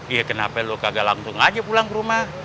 ya kenapa lo kagak langsung aja pulang ke rumah